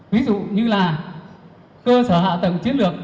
ví dụ như là cơ sở hạ tầng chiến lược kết nối